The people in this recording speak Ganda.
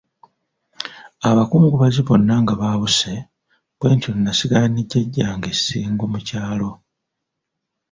Abakungubazi bonna nga baabuse, bwe ntyo nnasigala ne Jjajjange e Ssingo mu kyalo.